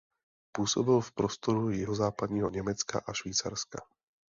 Působil v prostoru jihozápadního Německa a Švýcarska.